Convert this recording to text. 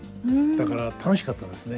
だから楽しかったですね。